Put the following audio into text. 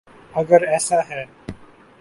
اگر ایسا ہے۔